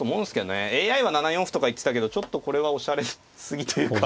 ＡＩは７四歩とか言ってたけどちょっとこれはおしゃれすぎというか。